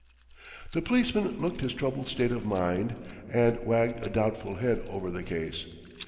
The policeman looked his troubled state of mind, and wagged a doubtful head over the case.